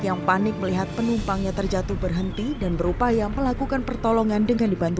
yang panik melihat penumpangnya terjatuh berhenti dan berupaya melakukan pertolongan dengan dibantu